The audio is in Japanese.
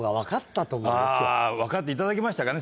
分かっていただけましたかね